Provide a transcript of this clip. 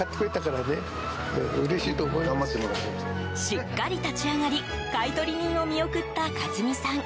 しっかり立ち上がり買い取り人を見送った一美さん。